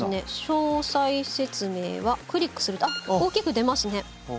詳細説明はクリックすると大きく出ますね。